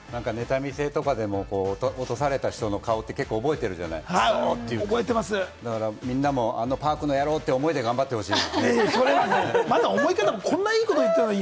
ネタ見せとかでも、落とされた人の顔って、覚えてるじゃない、クソーってみんなもあのＰａｒｋの野郎！という思いで頑張ってほしい。